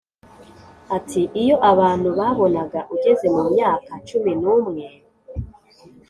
ati “’iyo abantu babonaga ugeze mu myaka cumi n’umwe